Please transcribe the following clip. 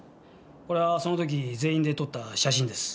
これはその時全員で撮った写真です。